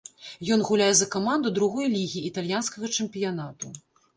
Ён гуляе за каманду другой лігі італьянскага чэмпіянату.